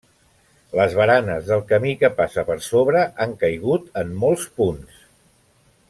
Les baranes del camí que passa per sobre han caigut en molts punts.